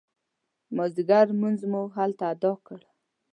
مازدیګر لمونځ مو هلته اداء کړ.